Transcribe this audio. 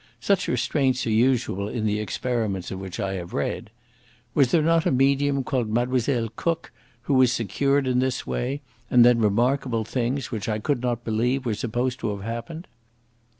Such restraints are usual in the experiments of which I have read. Was there not a medium called Mlle. Cook who was secured in this way, and then remarkable things, which I could not believe, were supposed to have happened?"